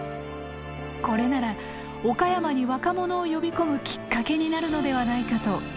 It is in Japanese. これなら岡山に若者を呼び込むきっかけになるのではないかと考えた。